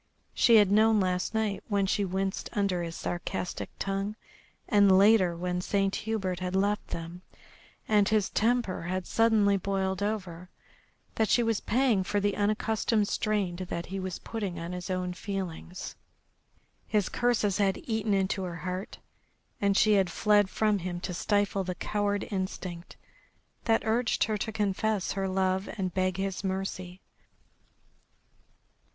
She had known last night, when she winced under his sarcastic tongue, and later, when Saint Hubert had left them and his temper had suddenly boiled over, that she was paying for the unaccustomed strain that he was putting on his own feelings. His curses had eaten into her heart, and she had fled from him to stifle the coward instinct that urged her to confess her love and beg his mercy.